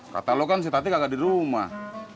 kata lo kan si tati kagak di rumah